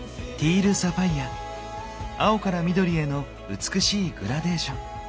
青から緑への美しいグラデーション。